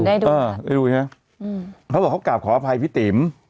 ได้ดูเออได้ดูใช่ไหมอืมเขาบอกเขากลับขออภัยพี่ติ๋ม